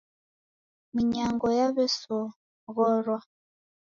Minyango yaw'esoghorwa.